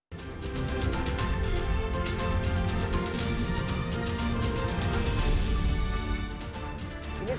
jadi kita akan mulai